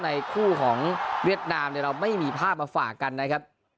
ในคู่ของเวียดนามเนี่ยเราไม่มีภาพมาฝากกันนะครับ